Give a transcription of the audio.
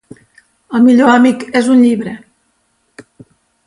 El millor amic és un llibre.